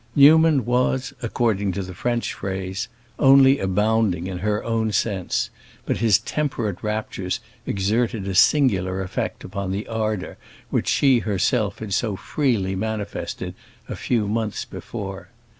Newman was, according to the French phrase, only abounding in her own sense, but his temperate raptures exerted a singular effect upon the ardor which she herself had so freely manifested a few months before.